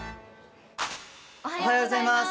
おはようございます！